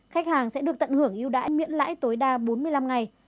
khách hàng sẽ được tận hưởng yêu đại miễn lãi tối đa bốn mươi năm ngày